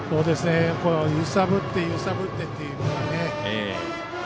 揺さぶって揺さぶってというのがね。